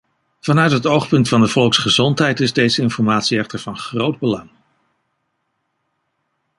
Vanuit het oogpunt van de volksgezondheid is deze informatie echter van groot belang.